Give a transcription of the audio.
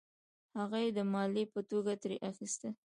هغه یې د مالیې په توګه ترې اخیستل.